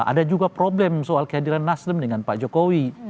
ada juga problem soal kehadiran nasdem dengan pak jokowi